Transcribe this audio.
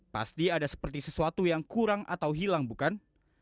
pasti ada seperti sesuatu yang kurang atau hilang bukan